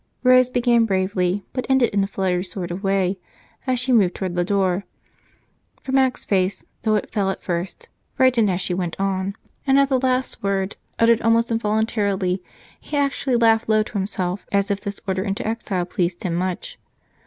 Rose began bravely, but ended in a fluttered sort of way as she moved toward the door, for Mac's face though it fell at first, brightened as she went on, and at the last word, uttered almost involuntarily, he actually laughed low to himself, as if this order into exile pleased him much.